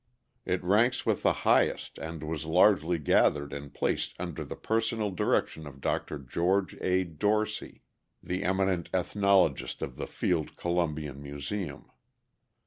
It ranks with the highest, and was largely gathered and placed under the personal direction of Dr. George A. Dorsey, the eminent ethnologist of the Field Columbian Museum.